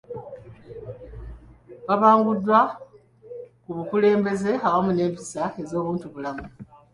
Babanguddwa ku bukulembeze awamu n'empisa ez'obuntubulamu